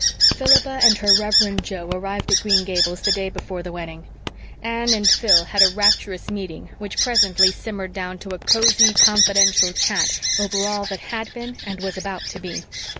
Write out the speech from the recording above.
Philippa and her Reverend Jo arrived at Green Gables the day before the wedding. Anne and Phil had a rapturous meeting which presently simmered down to a cosy, confidential chat over all that had been and was about to be.